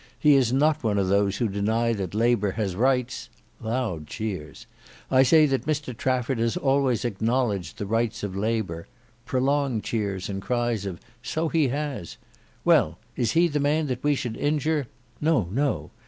He is not one of those who deny that Labour has rights (loud cheers). I say that Mr Trafford has always acknowledged the rights of Labour (prolonged cheers and cries of "So he has"). Well, is he the man that we should injure? ("No, no").